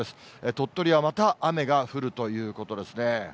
鳥取はまた雨が降るということですね。